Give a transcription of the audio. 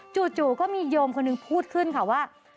จู่ก็มีโยมคนหนึ่งพูดขึ้นค่ะว่า